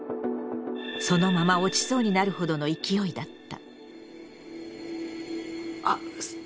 そのまま落ちそうになるほどの勢いだった。